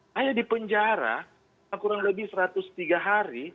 saya di penjara kurang lebih satu ratus tiga hari